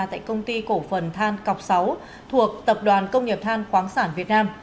tại công ty cổ phần than cọc sáu thuộc tập đoàn công nghiệp than khoáng sản việt nam